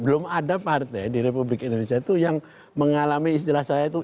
belum ada partai di republik indonesia itu yang mengalami istilah saya itu